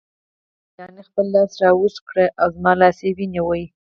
ګل جانې خپل لاس را اوږد کړ او زما لاس یې ونیو.